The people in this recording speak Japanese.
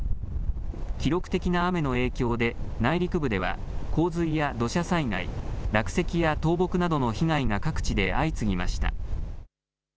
記録的な雨の影響で、内陸部では洪水や土砂災害、落石や倒木などの被害が各地で相次ぎました。